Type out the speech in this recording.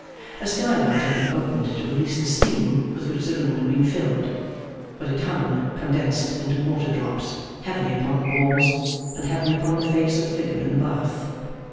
A sky light had been opened to release the steam with which the room had been filled; but it hung, condensed into water drops, heavily upon the walls, and heavily upon the face and figure in the bath.